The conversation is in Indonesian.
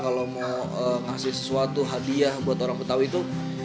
kalau mau kasih sesuatu hadiah buat orang betawi itu